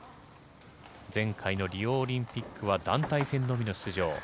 前回のリオオリンピックは団体戦のみの出場。